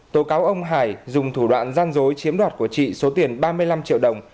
tố cáo ông hải dùng thủ đoạn gian dối chiếm đoạt của chị số tiền ba mươi năm triệu đồng